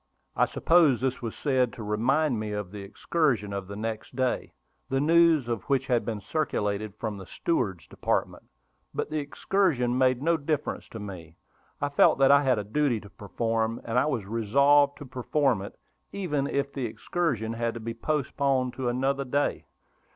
I supposed this was said to remind me of the excursion of the next day, the news of which had been circulated from the steward's department. But the excursion made no difference to me; I felt that I had a duty to perform, and I was resolved to perform it, even if the excursion had to be postponed to another day.